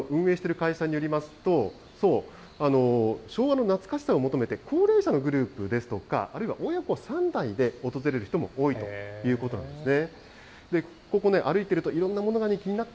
運営している会社によりますと、そう、昭和の懐かしさを求めて高齢者のグループですとか、あるいは親子３代で訪れる人も多いということなんですね。